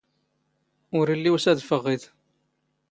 ⵓⵔ ⵉⵍⵍⵉ ⵓⵙⴰⴷⴼ ⵖ ⵖⵉⴷ.